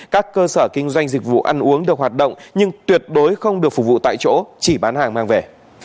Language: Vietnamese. các cơ sở kinh doanh dịch vụ ăn uống được hoạt động nhưng tuyệt đối không được phục vụ tại chỗ chỉ bán hàng mang về